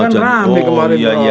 itu kan ramai kemarin dong